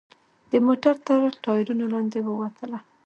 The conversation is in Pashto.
د موټر تر ټایرونو لاندې ووتله.